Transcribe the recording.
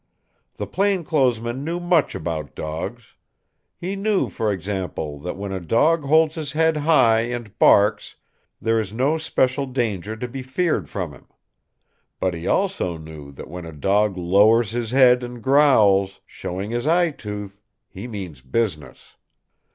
The plain clothes man knew much about dogs. He knew, for example, that when a dog holds his head high and barks there is no special danger to be feared from him. But he also knew that when a dog lowers his head and growls, showing his eyetooth, he means business.